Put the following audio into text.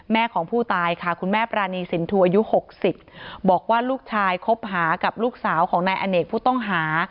ของผู้ตายค่ะคุณแม่ปรานีสินทูอายุ๖๐บอกว่าลูกชายคบหากับลูกสาวของนายอเนกผู้ต้องหา